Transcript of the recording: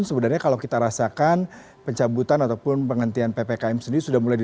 selamat pagi mas joshua